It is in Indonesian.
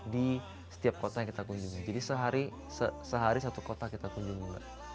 di setiap kota yang kita kunjungi jadi sehari satu kota kita kunjungi